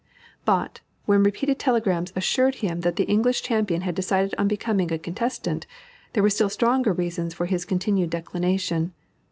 But, when repeated telegrams assured him that the English champion had decided on becoming a contestant, there were still stronger reasons for his continued declination.